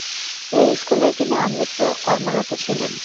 এই স্কুলেই তিনি আমৃত্যু কর্মরত ছিলেন।